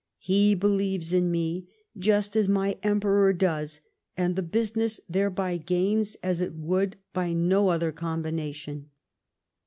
He believes in me just as my Emperor does, and the business thereby gains as it would by no other combination."